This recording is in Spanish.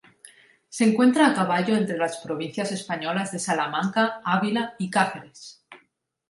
Se encuentra a caballo entre las provincias españolas de Salamanca, Ávila y Cáceres.